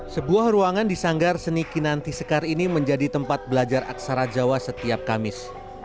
sebuah ruangan di sanggar seni kinanti sekar ini menjadi tempat belajar aksara jawa setiap kamis